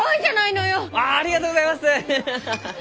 ありがとうございます！ハハハ。